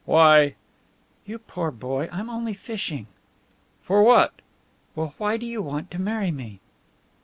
"Why " "You poor boy! I'm only fishing." "For what?" "Well, why do you want to marry me?"